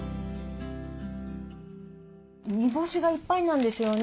煮干しがいっぱいなんですよね。